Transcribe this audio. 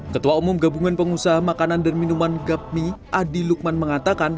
ketua umum gabungan pengusaha makanan dan minuman gapmi adi lukman mengatakan